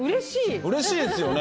うれしいですよね